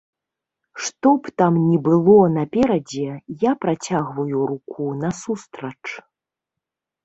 Што б там ні было наперадзе, я працягваю руку насустрач.